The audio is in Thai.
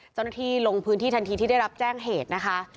เจ้าหน้าที่ลงพื้นที่ทันทีที่ได้รับแจ้งเหตุนะคะ